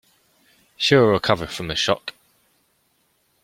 She will recover from this shock.